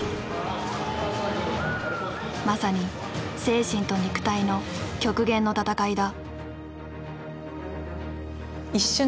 まさに精神と肉体の極限の戦いだ。